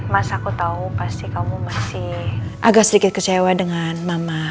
mas aku tahu pasti kamu masih agak sedikit kecewa dengan mama